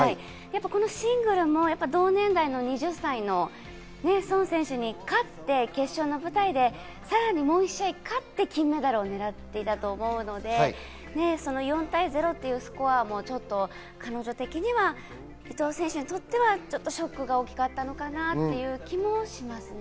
シングルも同年代の２０歳のソン選手に勝って決勝の舞台でさらにもう１試合勝って金メダルをねらっていたと思うので４対０というスコアも、ちょっと、彼女的には伊藤選手にとってはちょっとショックが大きかったのかなっていう気もしますね。